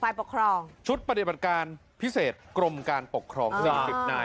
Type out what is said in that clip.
ฝ่ายปกครองชุดปฏิบัติการพิเศษกรมการปกครองอ่า